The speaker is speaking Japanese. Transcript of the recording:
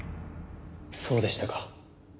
そうでしたか。